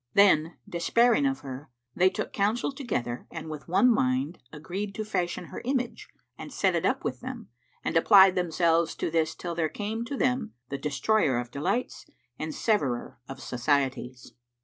Then, despairing of her, they took counsel together and with one mind agreed to fashion her image and set it up with them, and applied themselves to this till there came to them the Destroyer of delights and Severer of societies.